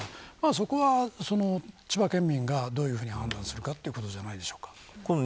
そこは、千葉県民がどういうふうに判断するかというところじゃないでしょうか。